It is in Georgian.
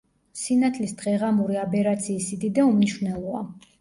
სინათლის დღეღამური აბერაციის სიდიდე უმნიშვნელოა.